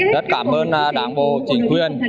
rất cảm ơn đảng bộ chính quyền